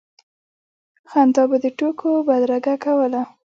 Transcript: خندا به د ټوکو بدرګه کوله.